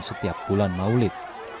setiap bulan maulid